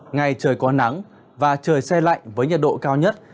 ngày trời có nắng và trời xe lạnh với nhiệt độ cao nhất